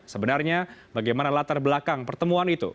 sebenarnya bagaimana latar belakang pertemuan itu